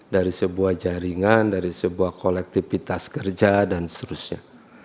dari sebuah jaringan dari sebuah kolektivitas kerja dan seterusnya